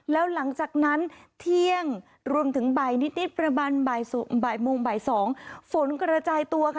แล้วหลังจากนั้นเที่ยงรวมถึงบ่ายนิดประมาณบ่ายโมงบ่าย๒ฝนกระจายตัวค่ะ